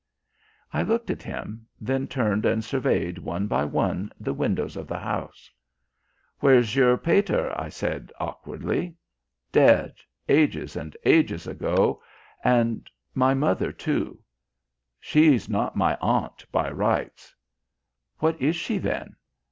I looked at him, then turned and surveyed one by one the windows of the house. "Where's your pater?" I said awkwardly. "Dead, ages and ages ago, and my mother too. She's not my aunt by rights." "What is she, then?"